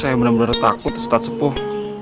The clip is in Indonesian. saya benar benar takut ustadz sepuh